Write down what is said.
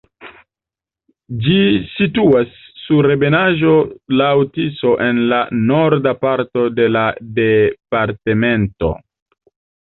Ĝi situas sur ebenaĵo laŭ Tiso en la norda parto de la departemento.